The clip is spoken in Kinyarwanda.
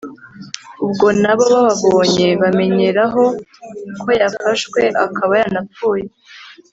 ubwo na bo bababonye, bamenyeraho ko yafashwe akaba yanapfuye